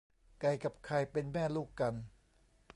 ไก่กับไข่เป็นแม่ลูกกัน